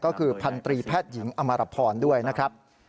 ก็คือพันตรีแพทย์หญิงอมารพรด้วยนะครับ